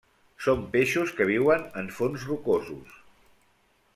Són peixos que viuen en fons rocosos.